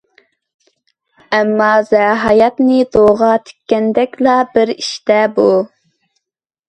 ئەممازە ھاياتىنى دوغا تىككەندەكلا بىر ئىش دە بۇ.